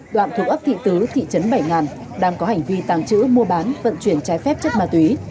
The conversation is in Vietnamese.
đoạn thuộc ấp thị tứ thị trấn bảy ngàn đang có hành vi tàng trữ mua bán vận chuyển trái phép chất ma túy